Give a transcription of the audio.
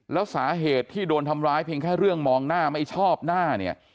แล้วสาเหตุที่โดนทำร้ายเพียงแค่เรื่องมองหน้าไม่ชอบหน้าเนี่ย